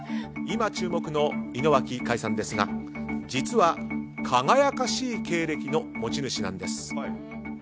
今、注目の井之脇海さんですが実は、輝かしい経歴の持ち主なんです。